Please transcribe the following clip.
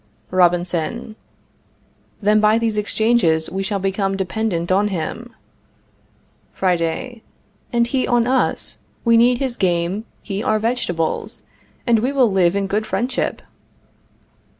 Robinson. Then by these exchanges we shall become dependent on him. Friday. And he on us. We need his game, he our vegetables, and we will live in good friendship.